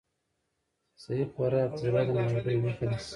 صحي خوراک د زړه د ناروغیو مخه نیسي.